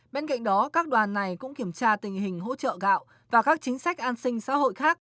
bên cạnh đó các đoàn này cũng kiểm tra tình hình hỗ trợ gạo và các chính sách an sinh xã hội khác